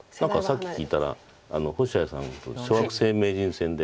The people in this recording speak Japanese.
さっき聞いたら星合さんと小学生名人戦で。